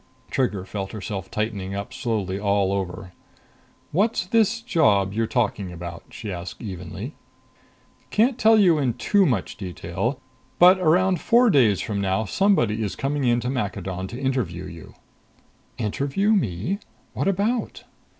Trigger felt herself tightening up slowly all over. "What's this job you're talking about?" she asked evenly. "Can't tell you in too much detail. But around four days from now somebody is coming in to Maccadon to interview you." "Interview me? What about?"